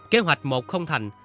kế hoạch một không thành